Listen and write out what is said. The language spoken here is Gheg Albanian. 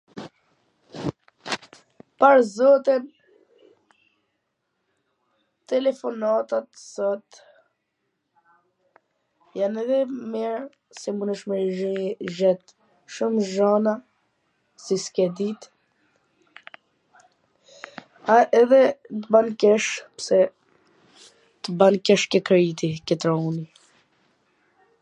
Pwr zotin, telefonatat sot jan e dhe mir se munesh me i xhet shum xhona, si s ke dit, por edhe t ban keq pse t ban keq ke krejti, ke truni.